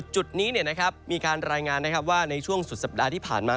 จุดนี้มีการรายงานว่าในช่วงสุดสัปดาห์ที่ผ่านมา